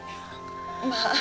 まあ。